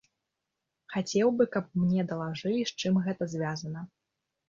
Хацеў бы, каб мне далажылі, з чым гэта звязана.